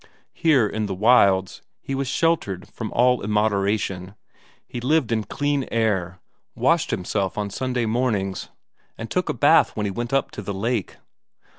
Here in the wilds he was sheltered from all immoderation; he lived in clear air, washed himself on Sunday mornings, and took a bath when he went up to the lake.